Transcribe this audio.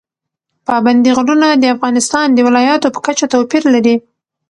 پابندی غرونه د افغانستان د ولایاتو په کچه توپیر لري.